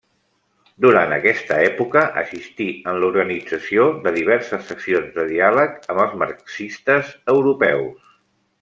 Durant aquesta època assistí en l'organització de diverses sessions de diàleg amb els marxistes europeus.